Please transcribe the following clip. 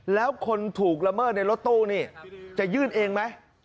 แล้วคนถูกละเมิดในรถตู้นี่จะยื่นเองไหม